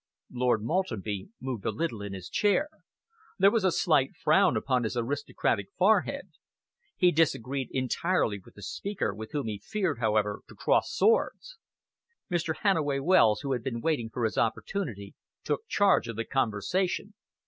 Lord Maltenby moved a little in his chair. There was a slight frown upon his aristocratic forehead. He disagreed entirely with the speaker, with whom he feared, however, to cross swords. Mr. Hannaway Wells, who had been waiting for his opportunity, took charge of the conversation.